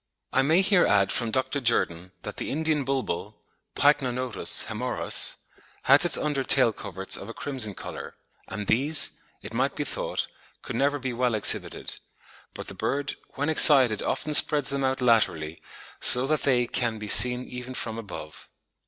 I may here add from Dr. Jerdon that the Indian bulbul (Pycnonotus hoemorrhous) has its under tail coverts of a crimson colour, and these, it might be thought, could never be well exhibited; but the bird "when excited often spreads them out laterally, so that they can be seen even from above."